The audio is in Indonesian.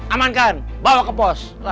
aman kan bawa ke pos